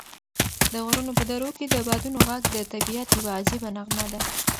د غرونو په درو کې د بادونو غږ د طبعیت یوه عجیبه نغمه ده.